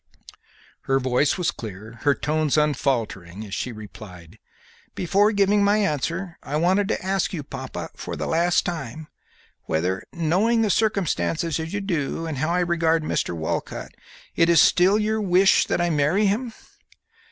Her voice was clear, her tones unfaltering, as she replied: "Before giving my answer I wanted to ask you, papa, for the last time, whether, knowing the circumstances as you do and how I regard Mr. Walcott, it is still your wish that I marry him?"